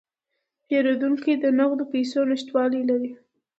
پیرودونکی د نغدو پیسو نشتوالی لري.